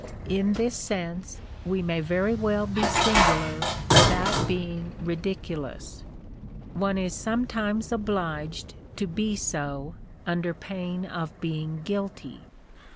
In this sense we may very well be singular without being ridiculous. One is sometimes obliged to be so, under pain of being guilty.